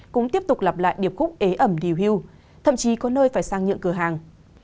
cũng tiếp tục lặp lại điệp khúc ế ẩm điều hưu thậm chí có nơi phải sang nhượng cửa hàng